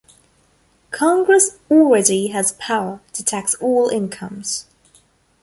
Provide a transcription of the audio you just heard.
Congress already had power to tax all incomes.